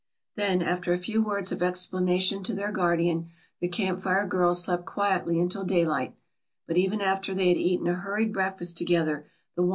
Then after a few words of explanation to their guardian the Camp Fire girls slept quietly until daylight, but even after they had eaten a hurried breakfast together the wanderer had not returned.